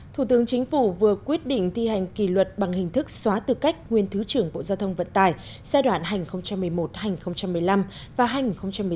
thủ tướng chính phủ vừa quyết định thi hành kỳ luật bằng hình thức xóa tư cách nguyên thứ trưởng bộ giao thông vận tài giai đoạn hành một mươi một hai nghìn một mươi năm và hành một mươi sáu hai nghìn một mươi bảy